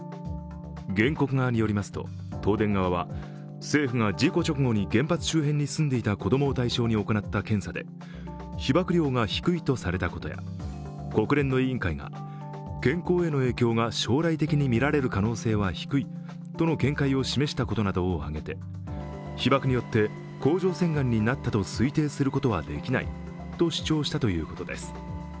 原告側によりますと、東電側は政府が事故直後に原発周辺に住んでいた子供を対象に行った検査で、被ばく量が低いとされたことや国連の委員会が、健康への影響が将来的にみられる可能性は低いとの見解を示したことなどを挙げて、被ばくによって甲状腺がんになったと推定することはできないと主張したということです。